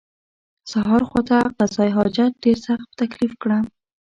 سهار خواته قضای حاجت ډېر سخت په تکلیف کړم.